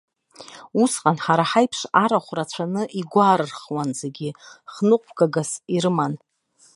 Усҟан ҳара ҳаиԥш арахә рацәаны игәарырхуан зегьы, хныҟәгагас ирыман.